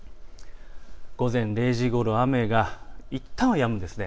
午前０時ごろ、雨がいったんはやむんです。